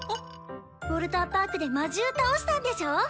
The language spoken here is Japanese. ウォルターパークで魔獣倒したんでしょ？